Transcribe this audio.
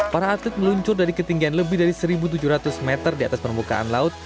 para atlet meluncur dari ketinggian lebih dari satu tujuh ratus meter di atas permukaan laut